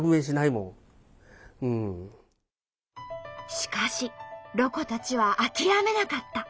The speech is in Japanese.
しかしロコたちは諦めなかった。